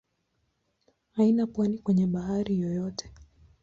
Haina pwani kwenye bahari yoyote.